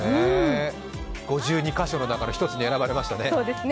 ５２か所の中の１つに選ばれましたね。